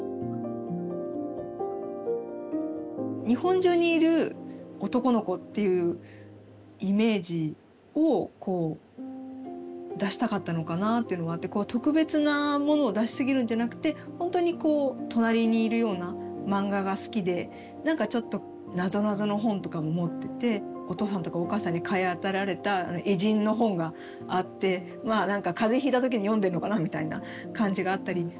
日本中にいる男の子っていうイメージをこう出したかったのかなっていうのがあって特別なものを出しすぎるんじゃなくてほんとにこう隣にいるような漫画が好きで何かちょっとなぞなぞの本とかも持っててお父さんとかお母さんに買い与えられた偉人の本があって何か風邪ひいた時に読んでんのかなみたいな感じがあったり。